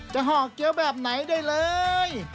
ห่อเกี้ยวแบบไหนได้เลย